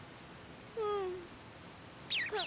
うん。